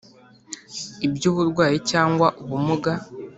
ibyuburwayi cyangwa ubumuga,